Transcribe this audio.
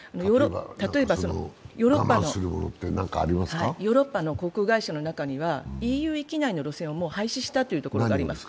例えば、ヨーロッパの航空会社の中にはＥＵ域内の路線をもう廃止したというところがあります。